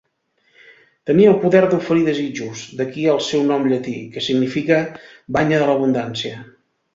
Tenia el poder d'oferir desitjos, d'aquí el seu nom llatí, que significa 'banya de l'abundància'.